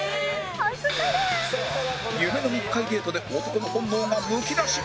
夢の密会デートで男の本能がむき出しに！